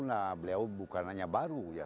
nah beliau bukan hanya baru ya